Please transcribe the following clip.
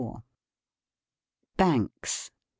Banks.